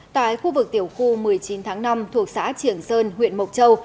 tại khu vực tiểu khu một mươi chín tháng năm thuộc xã triển sơn huyện mộc châu